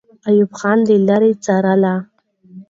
ایوب خان له لرې څارله.